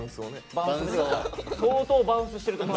相当バウンスしてると思う。